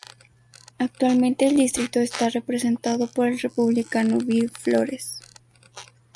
Actualmente el distrito está representado por el Republicano Bill Flores.